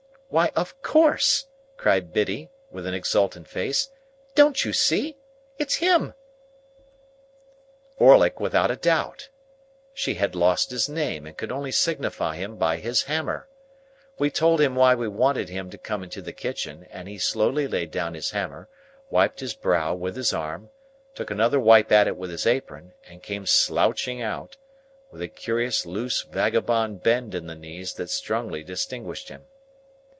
"Why, of course!" cried Biddy, with an exultant face. "Don't you see? It's him!" Orlick, without a doubt! She had lost his name, and could only signify him by his hammer. We told him why we wanted him to come into the kitchen, and he slowly laid down his hammer, wiped his brow with his arm, took another wipe at it with his apron, and came slouching out, with a curious loose vagabond bend in the knees that strongly distinguished him.